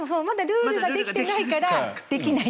まだルールができていないからできないと。